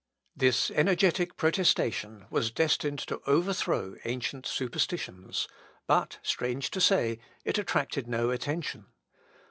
This energetic protestation was destined to overthrow ancient superstitions; but, strange to say, it attracted no attention.